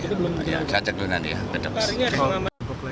iya rawat jalan nanti saya cek dulu nanti ya